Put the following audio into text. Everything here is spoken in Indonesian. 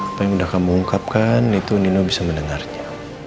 apa yang sudah kamu ungkapkan itu nino bisa mendengarnya